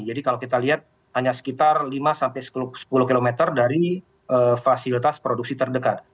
jadi kalau kita lihat hanya sekitar lima sampai sepuluh km dari fasilitas produksi terdekat